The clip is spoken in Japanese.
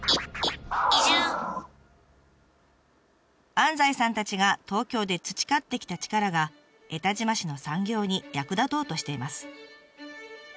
安西さんたちが東京で培ってきた力が江田島市の産業に役立とうとしています。